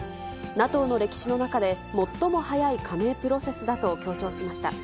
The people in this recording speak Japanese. ＮＡＴＯの歴史の中で、最も早い加盟プロセスだと強調しました。